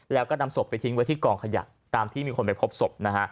แล้วก็นำศพไปทิ้งไว้ที่กองขยะตามที่มีคนไปพบศพนะฮะ